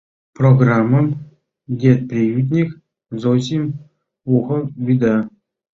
Программым детприютник Зосим Ухов вӱда.